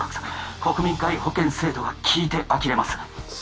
国民皆保険制度が聞いてあきれます